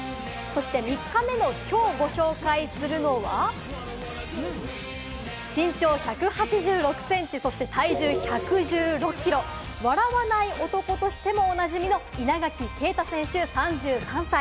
そして３日目のきょう、ご紹介するのは、身長１８６センチ、そして体重１１６キロ、笑わない男としてもおなじみの稲垣啓太選手、３３歳。